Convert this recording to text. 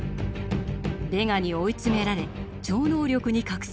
ベガに追い詰められ超能力に覚醒する丈。